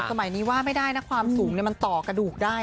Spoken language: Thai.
สมัยนี้ว่าไม่ได้นะความสูงมันต่อกระดูกได้